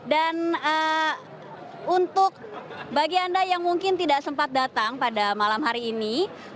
untuk bagi anda yang mungkin tidak sempat datang pada malam hari ini